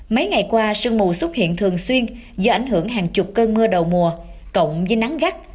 mấy ngày qua sương mù xuất hiện thường xuyên do ảnh hưởng hàng chục cơn mưa đầu mùa cộng với nắng gắt